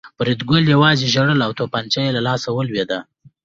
فریدګل یوازې ژړل او توپانچه یې له لاسه ولوېده